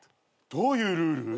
どういうルール？